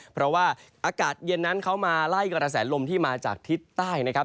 เพราะว่าอากาศเย็นนั้นเขามาไล่กระแสลมที่มาจากทิศใต้นะครับ